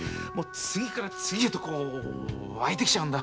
次から次へとこう湧いてきちゃうんだ。